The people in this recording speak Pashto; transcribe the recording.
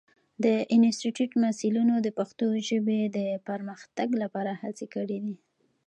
د انسټیټوت محصلینو د پښتو ژبې د پرمختګ لپاره هڅې کړې دي.